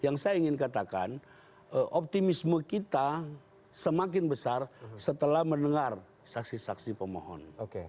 yang saya ingin katakan optimisme kita semakin besar setelah mendengar saksi saksi pemohon